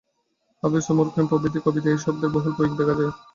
হাফেজ, Omar Khayyam প্রভৃতির কবিতায় এই শব্দের বহুল প্রয়োগ দেখা যায়।